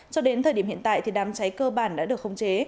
cho đến thời điểm hiện tại thì đám cháy cơ bản đã được khống chế